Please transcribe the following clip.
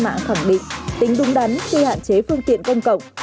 cư dân mạng khẳng định tính đúng đắn khi hạn chế phương tiện công cộng